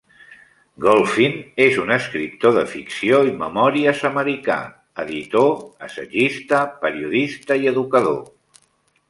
Golphin és un escriptor de ficció i memòries americà, editor, assagista, periodista i educador.